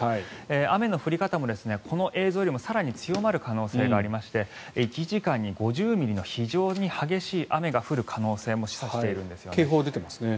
雨の降り方もこの映像よりも更に強まる可能性がありまして１時間に５０ミリの非常に激しい雨が降る可能性も警報が出ていますね。